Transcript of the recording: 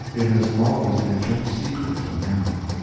It has always been kept secret till now."